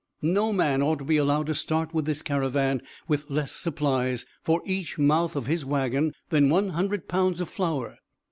"No man ought to be allowed to start with this caravan with less supplies, for each mouth of his wagon, than one hundred pounds of flour.